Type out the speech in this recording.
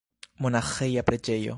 Monaĥeja preĝejo.